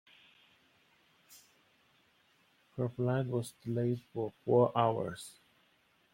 Her flight was delayed for four hours.